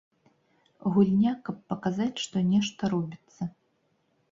Гульня, каб паказаць, што нешта робіцца.